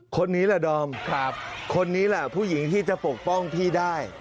คนนี้แหละดอมคนนี้แหละผู้หญิงที่จะปกป้องพี่ได้